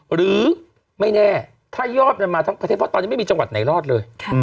หรือไม่แน่ถ้ายอดมันมาทั้งประเทศเพราะตอนนี้ไม่มีจังหวัดไหนรอดเลย